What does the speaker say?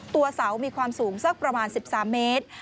ตัวเสามีความสูงสักประมาณ๑๓เมตร